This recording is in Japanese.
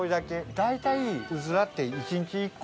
大体うずらって。